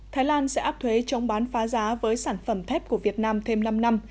thái lan sẽ áp thuế chống bán phá giá với sản phẩm thép của việt nam thêm năm năm